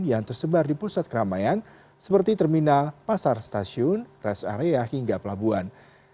yang tersebar di pusat keramaian seperti terminal pasar stasiun rest area hingga pelabuhan